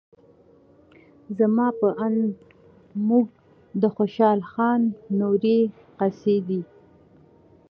زما په اند موږ د خوشال خان نورې قصیدې